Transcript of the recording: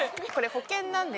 保険？